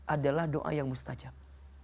adalah doa yang mustajab